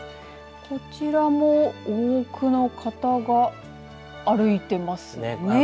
こちらも多くの方が歩いていますね。